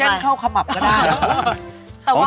ภรรยามนุษย์เกิ่าขมับก็ได้